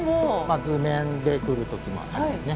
図面で来る時もありますね。